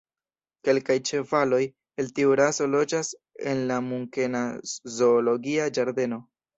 Kelkaj ĉevaloj el tiu raso loĝas en la munkena zoologia ĝardeno.